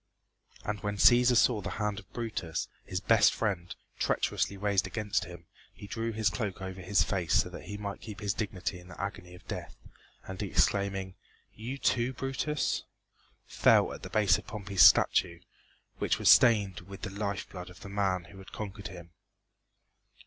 And when Cæsar saw the hand of Brutus, his best friend, treacherously raised against him, he drew his cloak over his face so that he might keep his dignity in the agony of death, and exclaiming "You, too, Brutus?" fell at the base of Pompey's statue, which was stained with the life blood of the man who had conquered him.